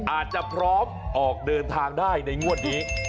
อาจจะพร้อมออกเดินทางได้ในงวดนี้